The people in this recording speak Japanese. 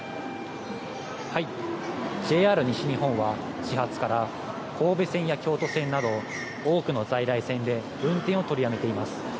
ＪＲ西日本は始発から神戸線や京都線など多くの在来線で運転を取りやめています。